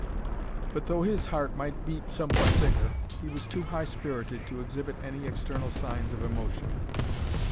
But though his heart might beat somewhat thicker, he was too high spirited to exhibit any external signs of emotion.